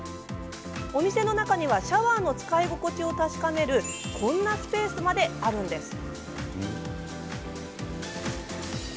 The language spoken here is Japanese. お店の中にはシャワーの使い心地を確かめるこんなスペースまであるんです。